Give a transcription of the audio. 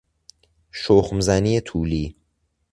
شخم زنی طولی